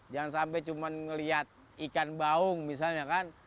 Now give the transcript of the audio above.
jangan sampai cuma melihat ikan baung misalnya kan